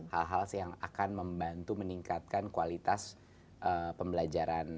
hal hal yang akan membantu meningkatkan kualitas pembelajaran